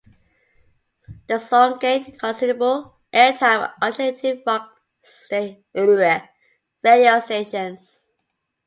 The song gained considerable airtime on alternative rock radio stations.